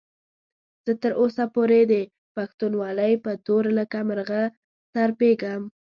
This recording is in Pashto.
زه تر اوسه پورې د پښتونولۍ په تور لکه مرغه ترپېږم.